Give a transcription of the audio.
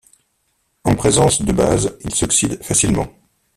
En présence de base, il s'oxyde facilement.